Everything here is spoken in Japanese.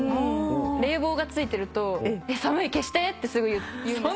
冷房がついてると「寒い消して！」ってすぐ言うんですよ。